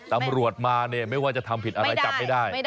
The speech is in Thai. ตำรวจมาเนี่ยไม่ว่าจะทำผิดอะไรจับไม่ได้